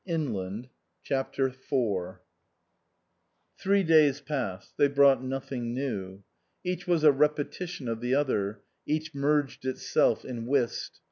34 CHAPTER IV days passed ; they brought nothing new ; each was a repetition of the other ; each merged itself in whist.